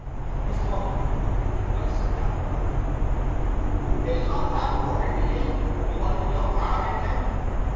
His thoughts were interrupted by a sudden outcry: "Bring on that water, will ye, you idle young harlican!"